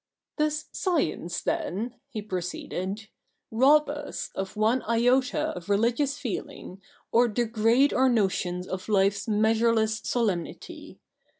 ' Does science, then,' he proceeded, ' rob us of one iota of religious feeling, or degrade our notions of life's measureless solemnity?